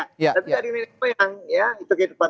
tapi ada nenek moyang itu kehidupan